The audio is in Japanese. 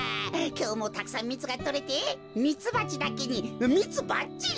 きょうもたくさんミツがとれてミツバチだけにミツバッチリ！